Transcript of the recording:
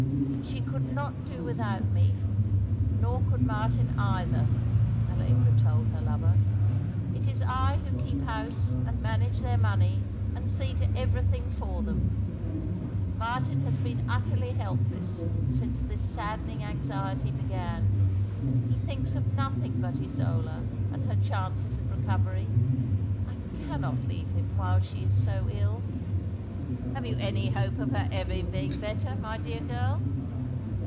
" She could not do without me, nor could Martin either," Allegra told her lover. '* It is I who keep house and manage their money, and see to everything for them. Martin has been utterly helpless since this saddening anxiety began. He thinks of nothing but Isola, and her chances of recovery. I cannot leave him while she is so ill." , "Have you any hope of her ever being better, my dear girl?"